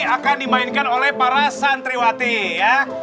akan dimainkan oleh para santriwati ya